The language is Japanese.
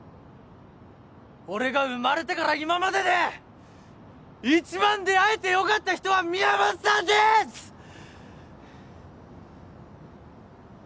俺が生まれてから今までで一番出会えてよかった人は宮本さんでーす！